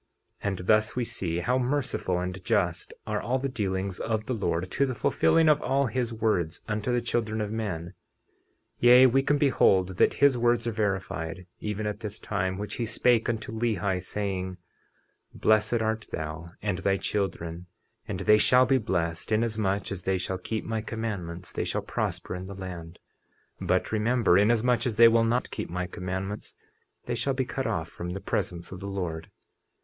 50:19 And thus we see how merciful and just are all the dealings of the Lord, to the fulfilling of all his words unto the children of men; yea, we can behold that his words are verified, even at this time, which he spake unto Lehi, saying: 50:20 Blessed art thou and thy children; and they shall be blessed, inasmuch as they shall keep my commandments they shall prosper in the land. But remember, inasmuch as they will not keep my commandments they shall be cut off from the presence of the Lord.